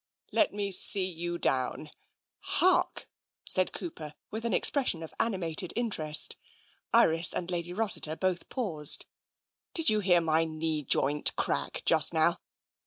''" Let me see you down. Hark !" said Cooper, with an expression of animated interest. Iris and Lady Rossiter both paused. "Did you hear my knee joint crack just now?